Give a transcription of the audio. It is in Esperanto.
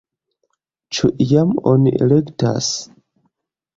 Ĉu iam oni elektas?